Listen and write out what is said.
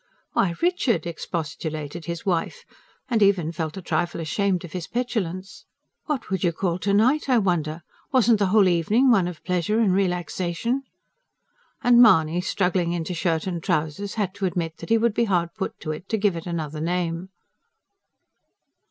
"Why, Richard!" expostulated his wife, and even felt a trifle ashamed of his petulance. "What would you call to night, I wonder? Wasn't the whole evening one of pleasure and relaxation?" And Mahony, struggling into shirt and trousers, had to admit that he would be hard put to it to give it another name.